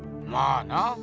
まあな。